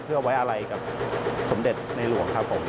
เพื่อไว้อะไรกับสมเด็จในหลวงครับผม